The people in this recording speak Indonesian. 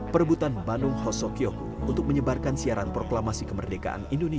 perebutan bandung hosokyoku untuk menyebarkan siaran proklamasi kemerdekaan indonesia